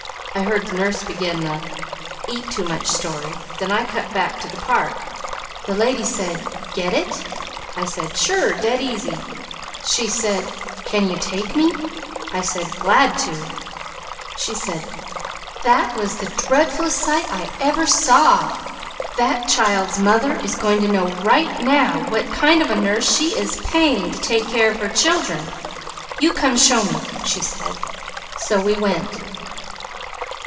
I heard nurse begin that 'eat too much' story, then I cut back to the park. The lady said, 'Get it?' I said, 'Sure! Dead easy.' She said, 'Can you take me?' I said, 'Glad to!' "She said, 'That was the dreadfullest sight I ever saw. That child's mother is going to know right now what kind of a nurse she is paying to take care of her children. You come show me,' she said, so we went.